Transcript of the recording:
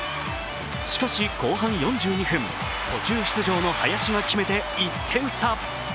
しかし、後半４２分、途中出場の林が決めて１点差。